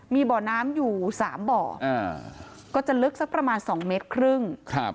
มีบ่อน้ำอยู่๓บ่อก็จะลึกสักประมาณ๒เมตรครึ่ง